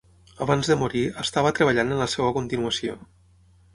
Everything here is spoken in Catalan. Abans de morir, estava treballant en la seva continuació.